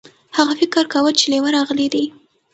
هغه فکر کاوه چې لیوه راغلی دی.